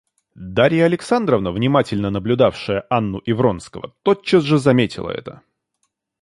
Дарья Александровна, внимательно наблюдавшая Анну и Вронского, тотчас же заметила это.